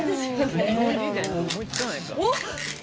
おっ！